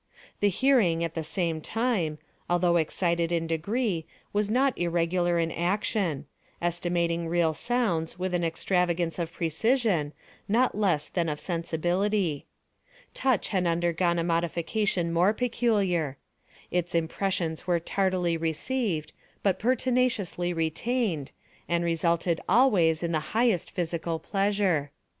The hearing, at the same time, although excited in degree, was not irregular in action—estimating real sounds with an extravagance of precision, not less than of sensibility. Touch had undergone a modification more peculiar. Its impressions were tardily received, but pertinaciously retained, and resulted always in the highest physical pleasure.